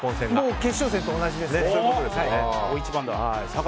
決勝戦と同じです。